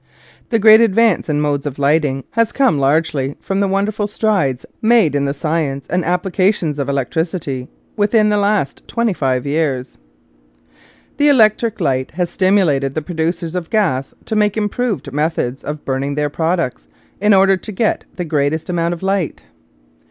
The great advance in modes of lighting has come largely from the wonderful strides made in the i . Original from UNIVERSITY OF WISCONSIN Xiflbt : Zbe Science. 171 science and applications of electricity within the last twenty five years. The electric light has stimulated the producers of gas to make improved methods of burning their products in order to get the greatest amount of light.